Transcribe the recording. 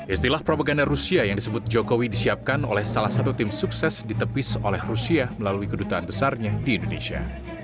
istilah propaganda rusia yang disebut jokowi disiapkan oleh salah satu tim sukses ditepis oleh rusia melalui kedutaan besarnya di indonesia